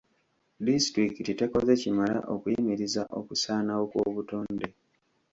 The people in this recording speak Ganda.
Disitulikiti tekoze kimala okuyimiriza okusaanawo kw'obutonde.